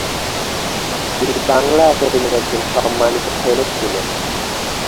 তিনি বাংলা একাডেমির একজন “সন্মানিত ফেলো” ছিলেন।